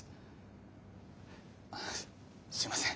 すいません。